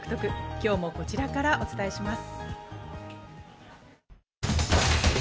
今日もこちらからお伝えします。